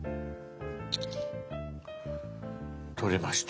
撮れました。